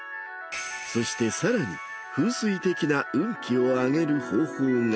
そしてさらに風水的な運気を上げる方法が。